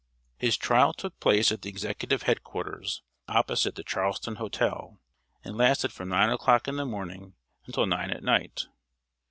His trial took place at the executive head quarters, opposite the Charleston Hotel, and lasted from nine o'clock in the morning until nine at night.